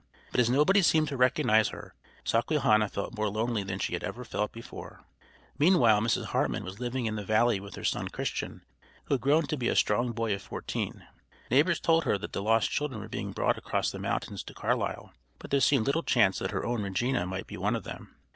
But as nobody seemed to recognize her Sawquehanna felt more lonely than she had ever felt before. Meanwhile Mrs. Hartman was living in the valley with her son Christian, who had grown to be a strong boy of fourteen. Neighbors told her that the lost children were being brought across the mountains to Carlisle, but there seemed little chance that her own Regina might be one of them.